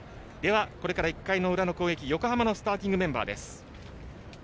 これから１回の裏の攻撃横浜のスターティングメンバー。